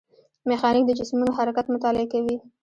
میخانیک د جسمونو حرکت مطالعه کوي.